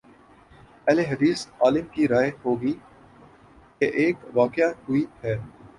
اہل حدیث عالم کی رائے ہو گی کہ ایک واقع ہوئی ہے۔